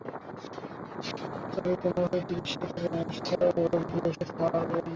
তবে কোনো ভাবেই চিকিত্সকের পরামর্শ ছাড়া রোগীকে ওষুধ খাওয়ানো যাবে না।